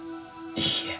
いいえ。